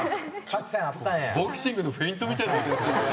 ボクシングのフェイントみたいな。